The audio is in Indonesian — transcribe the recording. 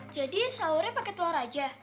jadi sahurnya pakai telur saja